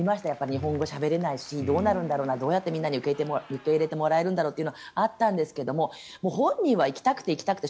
日本語しゃべれないしどうやったらみんなに受け入れてもらえるんだろうというのはありましたが本人は行きたくて行きたくて